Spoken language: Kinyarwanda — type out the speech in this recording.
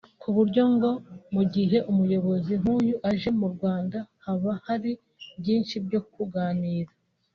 ku buryo ngo mu gihe umuyobozi nk’uyu aje mu Rwanda haba hari byinshi byo kuganira